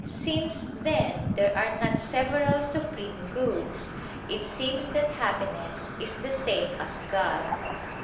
Since, then, there are not several supreme goods, it seems that happiness is the same as God.